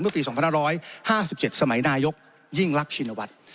ปี๒๕๕๗สมัยนายกยิ่งรักชินวัฒน์